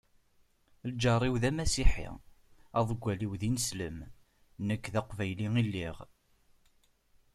Lǧar-iw d amasiḥi, aḍeggal-iw d ineslem, nekk d aqbayli i lliɣ.